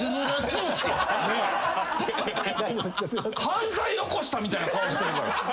犯罪起こしたみたいな顔してるから。